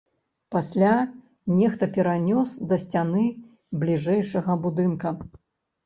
Пасля нехта перанёс да сцяны бліжэйшага будынка.